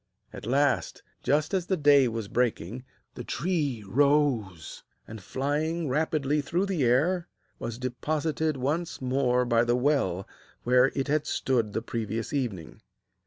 At last, just as the day was breaking, the tree rose, and, flying rapidly through the air, was deposited once more by the well where it had stood the previous evening.